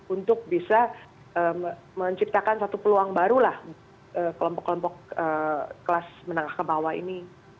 untuk bisa menciptakan satu peluang baru lah kelompok kelompok kelas menengah ke bawah ini